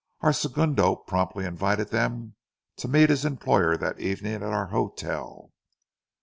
Our segundo promptly invited them to meet his employer that evening at our hotel.